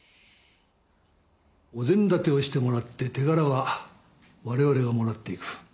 お膳立てをしてもらって手柄は我々がもらっていく。